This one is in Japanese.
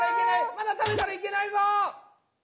まだたべたらいけないぞ！